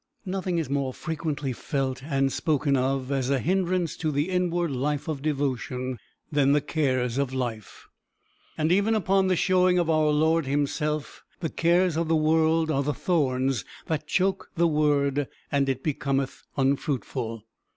Nothing is more frequently felt and spoken of, as a hindrance to the inward life of devotion, than the "cares of life;" and even upon the showing of our Lord himself, the cares of the world are the thorns that choke the word, and it becometh unfruitful.